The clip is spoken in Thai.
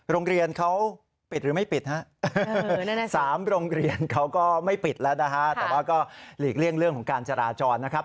โรงเรียนเขาปิดหรือไม่ปิดฮะ๓โรงเรียนเขาก็ไม่ปิดแล้วนะฮะแต่ว่าก็หลีกเลี่ยงเรื่องของการจราจรนะครับ